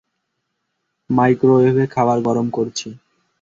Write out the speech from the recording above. মাইক্রোওয়েভে খাবার গরম করছি।